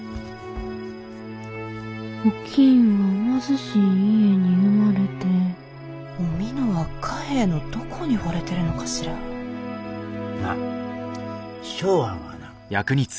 おきんは貧しい家に生まれておみのは加兵衛のどこにほれてるのかしらなあ松庵はな。